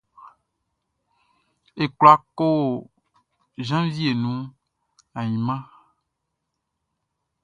Ye kwla kɔ jenvie nuan ainman?